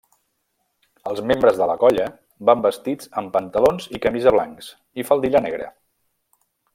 Els membres de la colla van vestits amb pantalons i camisa blancs i faldilla negra.